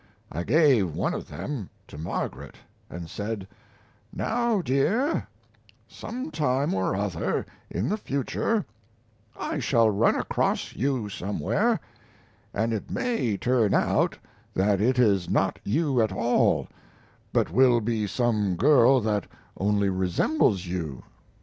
I gave one of them to Margaret and said: "Now dear, sometime or other in the future I shall run across you somewhere, and it may turn out that it is not you at all, but will be some girl that only resembles you.